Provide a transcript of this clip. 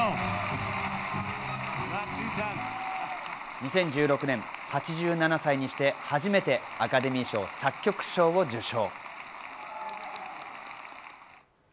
２０１６年、８７歳にして初めてアカデミー賞作曲賞を受賞。